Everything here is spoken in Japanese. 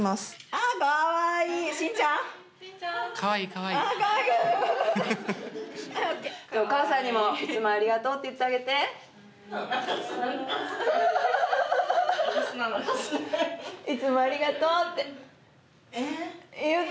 ああかわいい真ちゃんかわいいかわいいはいＯＫお母さんにもいつもありがとうって言ってあげていつもありがとうってえっ？